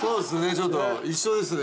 ちょっと一緒ですね